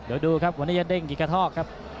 เดี๋ยวดูครับวันนี้จะเด้งกี่กระทอกครับ